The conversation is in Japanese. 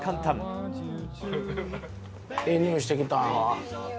ええ匂いしてきたわ。